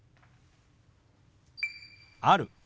「ある」。